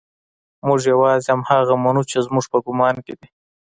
موږ يوازې هماغه منو چې زموږ په ګمان کې دي.